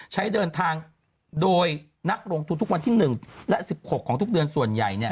ใช้เดินทางโดยนักลงทุนทุกวันที่๑และ๑๖ของทุกเดือนส่วนใหญ่